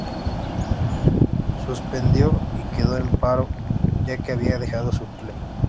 Suspendió y quedó en paro, ya que había dejado su empleo.